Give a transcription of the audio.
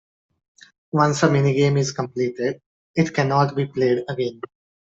Once a minigame is completed, it cannot be played again.